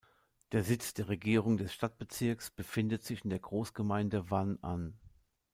Der Sitz der Regierung des Stadtbezirks befindet sich in der Großgemeinde Wan’an.